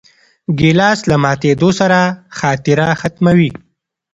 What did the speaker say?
ګیلاس له ماتېدو سره خاطره ختموي.